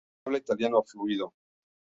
Habla italiano fluido.